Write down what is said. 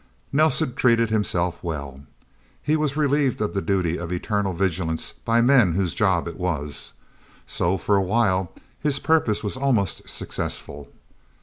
Nelsen treated himself well. He was relieved of the duty of eternal vigilance by men whose job it was. So, for a while, his purpose was almost successful.